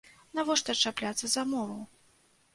Навошта чапляцца за мову?